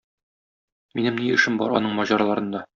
Минем ни эшем бар аның маҗараларында.